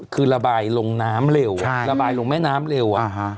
คือระบายลงน้ำเร็วระบายลงแม่น้ำเร็ว